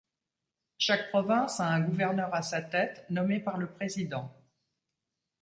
Chaque province a un gouverneur a sa tête, nommé par le président.